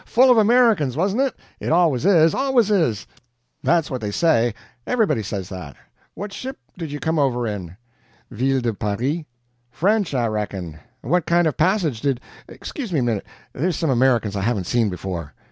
FULL of Americans, WASN'T it? It always is always is. That's what they say. Everybody says that. What ship did you come over in?" "VILLE DE PARIS." "French, I reckon. What kind of a passage did ... excuse me a minute, there's some Americans I haven't seen before."